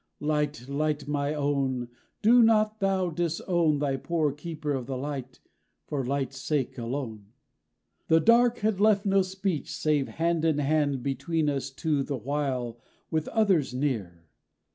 Light, light, my own: Do not thou disown Thy poor keeper of the light, for Light's sake alone. _The dark had left no speech save hand in hand Between us two the while, with others near.